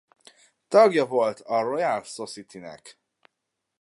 Tagja volt a Royal Society-nek.